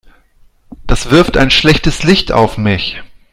Das wirft ein schlechtes Licht auf mich.